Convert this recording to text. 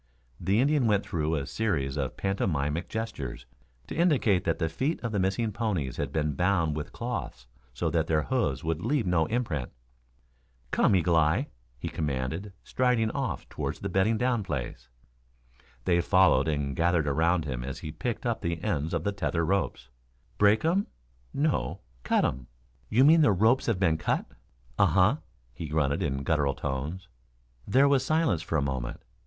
The Indian went through a series of pantomimic gestures to indicate that the feet of the missing ponies had been bound with cloths so that their hoofs would leave no imprint. "Come Eagle eye," he commanded, striding off toward the bedding down place. They followed and gathered around him as he picked up the ends of the tether ropes. "Break um? No, cut um." "You mean the ropes have been cut?" "Uh huh," he grunted in gutteral tones. There was silence for a moment.